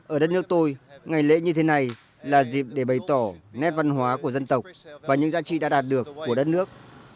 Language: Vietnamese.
ở đất nước tôi ngày lễ như thế này là dịp để bày tỏ nét văn hóa của dân tộc và những giá trị đã đạt được của đất nước